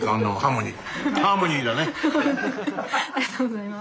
ありがとうございます。